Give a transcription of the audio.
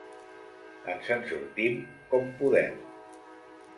Ens en sortim com podem.